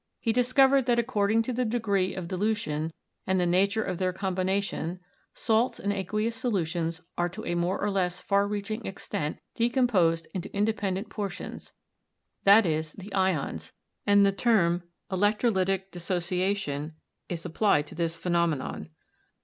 He dis covered that according to the degree of dilution and the nature of their combination, salts in aqueous solutions are to a more or less far reaching extent decomposed into independent portions, i.e., the ions, and the term electro lytic dissociation is applied to this phenomenon.